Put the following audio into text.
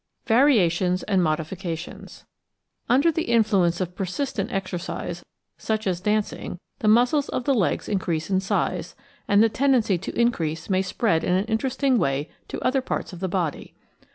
Variations and Modifications Under the influence of persistent exercise, such as dancing, the muscles of the legs increase in size, and the tendency to increase may spread in an interesting way to other parts of the body.